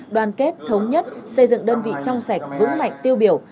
đoàn kết thống nhất xây dựng đơn vị trong sạch vững mạnh tiêu biểu